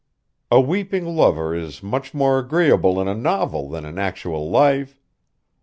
A weeping lover is much more agreeable in a novel than in actual life.